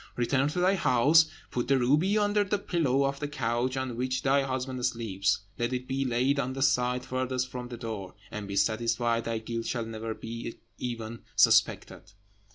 Return to thy house, put the ruby under the pillow of the couch on which thy husband sleeps; let it be laid on the side furthest from the door; and be satisfied thy guilt shall never be even suspected."